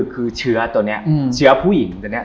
คือเชื้อตัวนี้เชื้อผู้หญิงตัวนี้